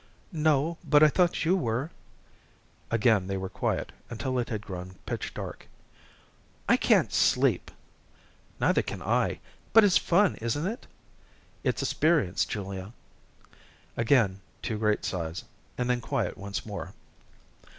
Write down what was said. "No, but I thought you were." Again they were quiet until it had grown pitch dark. "I can't sleep." "Neither can I, but it's fun, isn't it?" "It's a sperience, Julia." Again two great sighs, and then quiet once more.